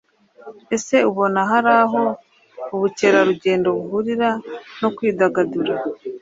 Ese ubona hari aho ubukerarugendo buhurira no kwidagadura.